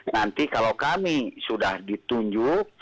nanti kalau kami sudah ditunjuk